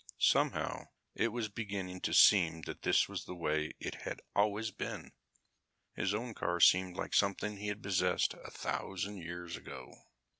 Somehow, it was beginning to seem that this was the way it had always been. His own car seemed like something he had possessed a thousand years ago.